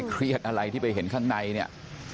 เครียดอะไรที่ไปเห็นข้างในเนี่ย